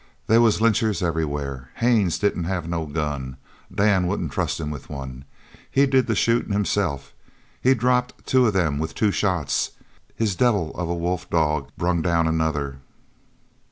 They was lynchers everywhere. Haines didn't have no gun. Dan wouldn't trust him with one. He did the shootin' himself. He dropped two of them with two shots. His devil of a wolf dog brung down another."